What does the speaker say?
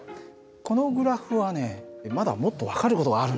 このグラフはねまだもっと分かる事があるんだよ。